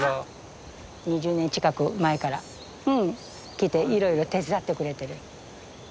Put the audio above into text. ２０年近く前から来ていろいろ手伝ってくれてる。